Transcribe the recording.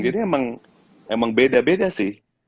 jadi emang beda beda sih